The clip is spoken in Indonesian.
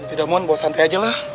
udah mon bawa santai aja lah